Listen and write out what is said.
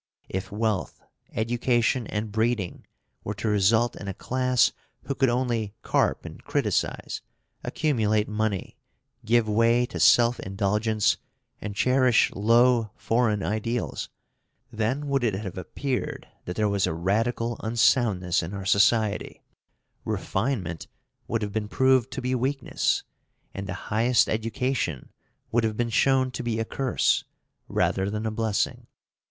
If wealth, education, and breeding were to result in a class who could only carp and criticize, accumulate money, give way to self indulgence, and cherish low foreign ideals, then would it have appeared that there was a radical unsoundness in our society, refinement would have been proved to be weakness, and the highest education would have been shown to be a curse, rather than a blessing.